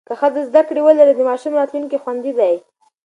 که ښځه زده کړه ولري، نو د ماشومانو راتلونکی خوندي دی.